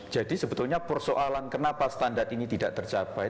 jadi sebetulnya persoalan kenapa standar ini tidak tercapai